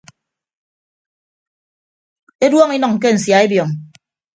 Eduọñọ inʌñ ke nsia ebiọñ.